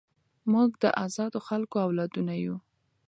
موږ د ازادو خلکو اولادونه یو.